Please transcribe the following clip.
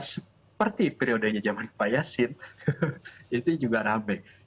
jadi format ideal seperti periodenya zaman pak yassin itu juga rame